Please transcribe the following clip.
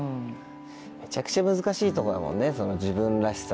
めちゃくちゃ難しいとこだもんね。